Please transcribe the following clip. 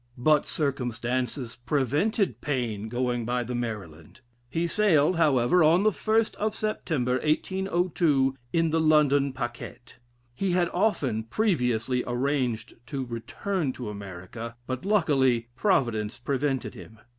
But circumstances prevented Paine going by the Maryland. He sailed, however, on the 1st of September, 1802, in the London Pacquet. He had often previously arranged to return to America, but luckily, Providence prevented him.